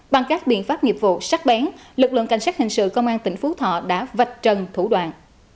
bằng các biện pháp nghiệp vụ sát bén lực lượng cảnh sát hình sự công an tỉnh phú thọ đã vạch trần thủ đoạn